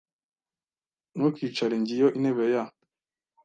Ntukicare. Ngiyo intebe ya .